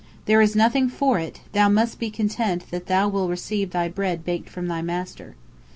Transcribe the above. There is nothing for it, thou must be content that thou wilt receive thy bread baked from thy master."